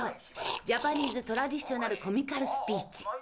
ジャパニーズトラディショナルコミカルスピーチ。